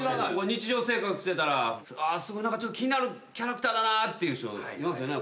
日常生活してたらすごい何かちょっと気になるキャラクターだなっていう人いますよね。